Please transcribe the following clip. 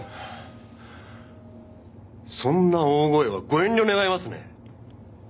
そんな大声はご遠慮願いますね。